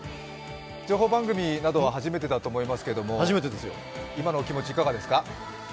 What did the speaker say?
情報番組などは初めてだと思いますけど、今のお気持ち、いかがですか？